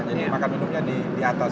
jadi makan minumnya di atas